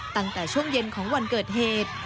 ตั้งแต่ช่วงเย็นของวันเกิดเหตุ